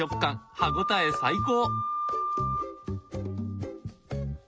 歯応え最高！